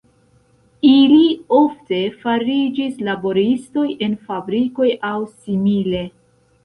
Ili ofte fariĝis laboristoj en fabrikoj aŭ simile.